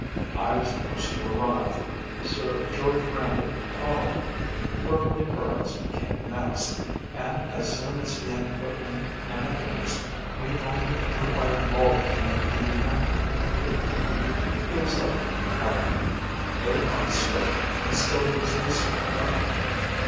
I was the first to arrive, Sir George Brandon followed me, Berkeley Burroughes came next, and as soon as he had put in an appearance, we only required Woller to make the number complete. He was late, however. Eight o'clock struck, and still there was no sign of him.